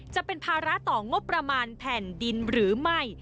จะเป็นภาระต่องบประมาณแผ่นดินหรือไม่